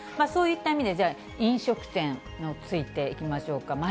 そういった意味で、じゃあ飲食店についていきましょうか。